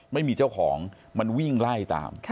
ไม่มีเจ้าของมันวิ่งไล่ตาม